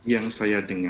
yang saya dengar